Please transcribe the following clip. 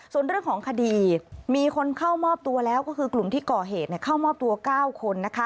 ส่วนเรื่องของคดีมีคนเข้ามอบตัวแล้วก็คือกลุ่มที่ก่อเหตุเข้ามอบตัว๙คน